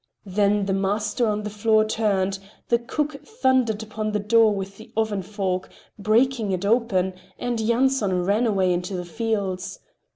Then the master on the floor turned, the cook thundered upon the door with the oven fork, breaking it open, and Yanson ran away into the fields.